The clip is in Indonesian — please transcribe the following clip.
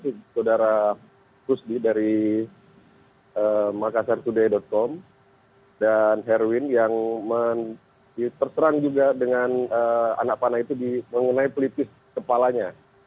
itu saudara khusdi dari makassartoday com dan herwin yang terserang juga dengan anak panah itu mengenai pelipis kepalanya